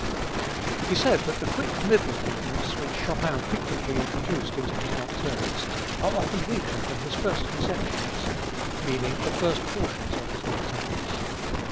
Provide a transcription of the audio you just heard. He said that the quick middle movements which Chopin frequently introduced into his nocturnes are often weaker than his first conceptions; meaning the first portions of his nocturnes.